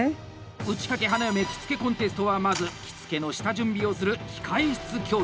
「打掛花嫁着付コンテスト」はまず、着付の下準備をする「控え室競技」。